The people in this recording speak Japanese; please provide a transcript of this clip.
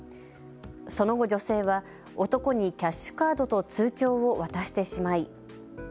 その後、女性は男にキャッシュカードと通帳を渡してしまい。